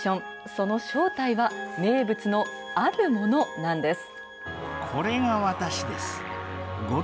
その正体は、名物のあるものなんです。